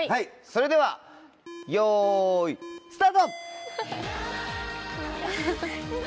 それではよいスタート！